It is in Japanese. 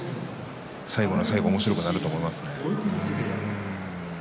最後の最後おもしろくなると思います。